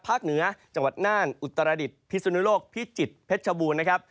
เหนือจังหวัดน่านอุตรดิษฐพิสุนุโลกพิจิตรเพชรชบูรณ์นะครับ